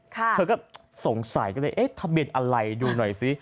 เธอก็สงสัยเนี่ยเนี่ยต้องกรรมเปลี่ยนอะไรดูหน่อยซิ